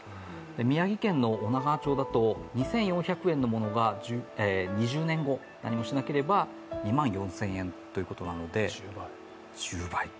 宮城県の女川町では２４００円のものが２０年後何もしなければ２万４０００円ということなので１０倍。